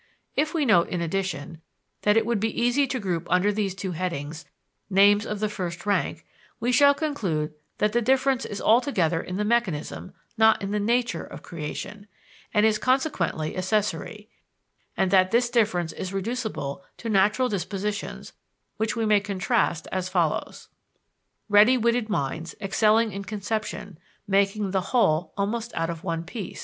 If we note, in addition, that it would be easy to group under these two headings names of the first rank, we shall conclude that the difference is altogether in the mechanism, not in the nature of creation, and is consequently accessory; and that this difference is reducible to natural dispositions, which we may contrast as follows: Ready witted minds, Logically developing excelling in conception, minds, excelling in making the whole almost elaboration.